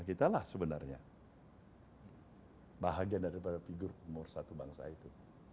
kita lah sebenarnya bahagian dari figur pemersatu bangsa itu